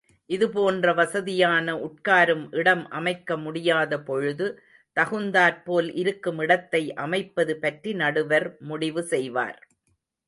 இதுபோன்ற வசதியான உட்காரும் இடம் அமைக்க முடியாதபொழுது, தகுந்தாற்போல் இருக்கும் இடத்தை அமைப்பது பற்றி, நடுவர் முடிவு செய்வார்.